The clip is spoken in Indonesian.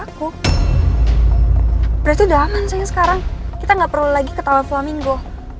aku berarti udah aman saya sekarang kita nggak perlu lagi ketawa suami gue